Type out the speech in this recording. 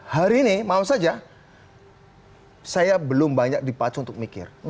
hari ini mau saja saya belum banyak dipacu untuk mikir